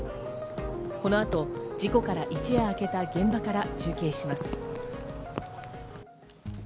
この後、事故から一夜明けた現場から中継します。